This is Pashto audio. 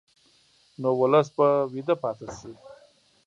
نو ولس به ویده پاتې شي.